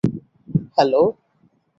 Hello!